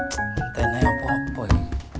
tentengnya yang apa apa ya